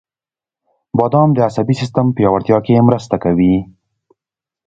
• بادام د عصبي سیستم پیاوړتیا کې مرسته کوي.